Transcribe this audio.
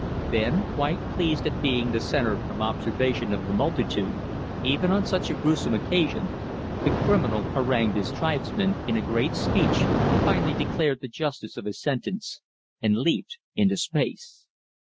Then, quite pleased at being the centre of observation of the multitude, even on such a gruesome occasion, the criminal harangued his tribesmen in a great speech, finally declared the justice of his sentence, and leaped into space.